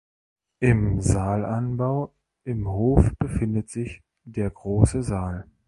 Im Saalanbau im Hof befindet sich der „Große Saal“.